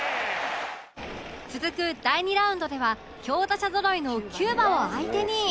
続く第２ラウンドでは強打者ぞろいのキューバを相手に